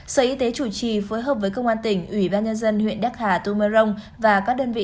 sở y tế chủ trì phối hợp với công an tỉnh ủy ban nhân dân huyện đắc hà tô mơ rông và các đơn vị